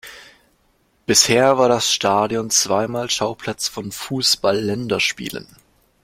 Bisher war das Stadion zweimal Schauplatz von Fußball-Länderspielen.